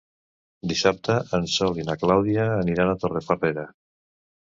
Dissabte en Sol i na Clàudia aniran a Torrefarrera.